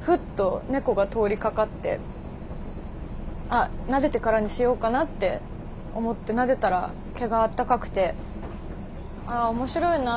ふっとネコが通りかかってあっなでてからにしようかなって思ってなでたら毛があったかくて「あ面白いな。